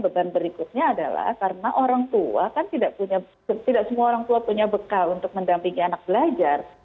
beban berikutnya adalah karena orang tua kan tidak semua orang tua punya bekal untuk mendampingi anak belajar